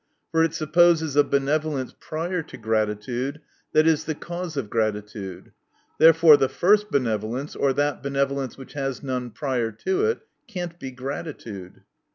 For it supposes a benevolence prior to gratitude, that is the cause of gratitude. Therefore the first benevolence, or that benevolence which has none prior to it, cannot be gratitude.